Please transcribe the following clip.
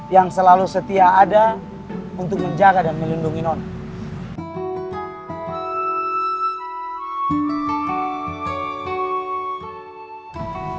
yang selalu setia ada untuk menjaga dan melindungi non